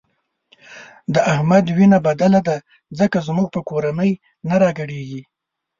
د احمد وینه بدله ده ځکه زموږ په کورنۍ نه راګډېږي.